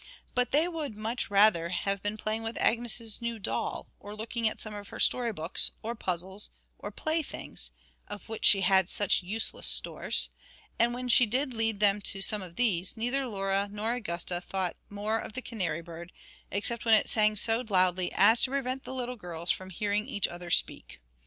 But they would much rather have been playing with Agnes's new doll, or looking at some of her story books, or puzzles, or play things, of which she had such useless stores; and when she did lead them to some of these, neither Laura nor Augusta thought more of the canary bird, except when it sang so loudly as to prevent the little girls from hearing each other speak.